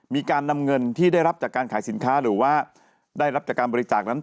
มีการนำเงินที่ได้รับจากการขายสินค้าหรือว่าได้รับจากการบริจาคนั้น